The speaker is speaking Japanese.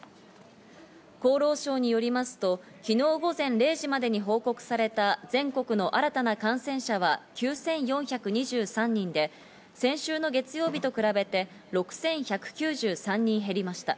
厚労省によりますと昨日午前０時までに報告された全国の新たな感染者は９４２３人で、先週の月曜日と比べて６１９３人減りました。